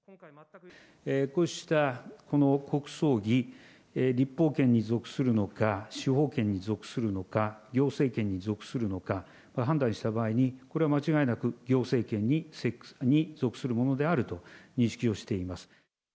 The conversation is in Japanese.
こうしたこの国葬儀、立法権に属するのか、司法権に属するのか、行政権に属するのか、判断した場合に、これは間違いなく行政権に属するものであると認識をしています。